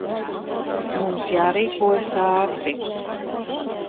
Mums jārīkojas ātri.